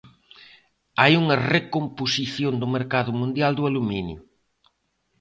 Hai unha recomposición do mercado mundial do aluminio.